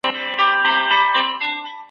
سیاسي پریکړي د خلګو ژوند بدلوي.